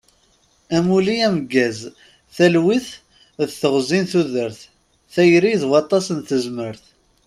Amulli ameggaz, talwit d teɣzi n tudert, tayri d waṭas n tezmert.